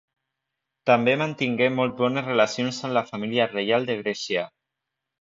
També mantingué molt bones relacions amb la família reial de Grècia.